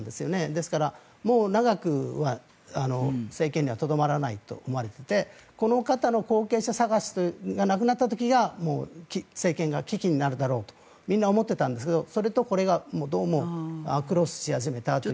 ですからもう長くは政権にはとどまらないと思われていてこの方の後継者探し亡くなった時が政権が危機になるだろうとみんな思っていたんですがそれとこれがクロスし始めたと。